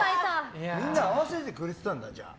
みんな合わせてくれてたんだ。